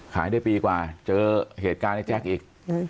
ขายได้ปีกว่าเจอเหตุการณ์ในแจ๊คอีก